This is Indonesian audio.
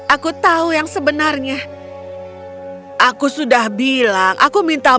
aku tahu yang sebenarnya aku sudah bilang aku minta